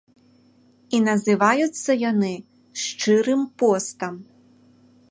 І называюцца яны шчырым постам.